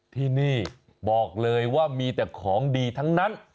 ที่นี่บอกเลยว่ามีแต่ของดีทั้งนั้น